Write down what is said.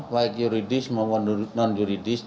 baik yuridis maupun non yuridis